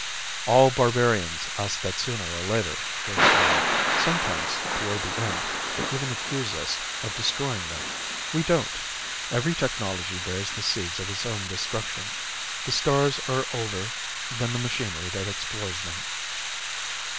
"All barbarians ask that sooner or later," Joe smiled. "Sometimes toward the end they even accuse us of destroying them. We don't. Every technology bears the seeds of its own destruction. The stars are older than the machinery that explores them."